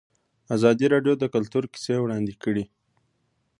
ازادي راډیو د کلتور کیسې وړاندې کړي.